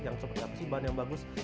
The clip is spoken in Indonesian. yang seperti apa sih ban yang bagus